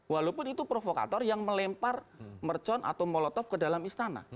walaupun itu provokator yang melempar mercon atau molotov ke dalam istana